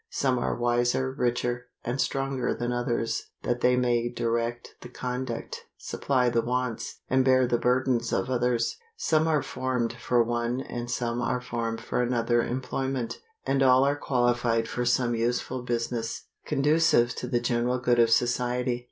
Some are wiser, richer, and stronger than others that they may direct the conduct, supply the wants, and bear the burdens of others. Some are formed for one and some are formed for another employment, and all are qualified for some useful business, conducive to the general good of society.